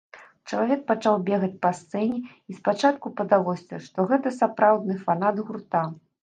Чалавек пачаў бегаць па сцэне, і спачатку падалося, што гэта сапраўды фанат гурта.